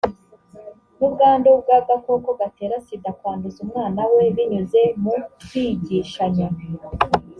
n ubwandu bw agakoko gatera sida kwanduza umwana we binyuze mu kwigishanya